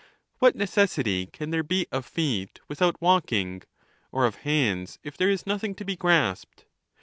What necessity can there be of feet, without walking ; or of hands, if there is nothing to be grasped